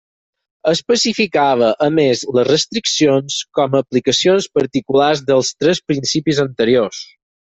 Especificava, a més, les restriccions com a aplicacions particulars dels tres principis anteriors.